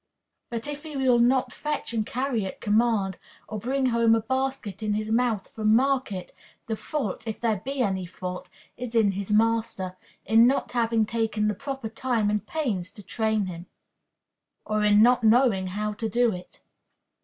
But if he will not fetch and carry at command, or bring home a basket in his mouth from market, the fault, if there be any fault, is in his master, in not having taken the proper time and pains to train him, or in not knowing how to do it.